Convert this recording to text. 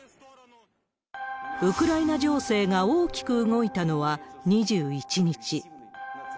ウクライナ情勢が大きく動いたのは２１日。